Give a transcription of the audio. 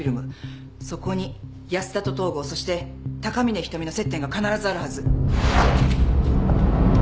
そこに安田と東郷そして高峰仁美の接点が必ずあるはず。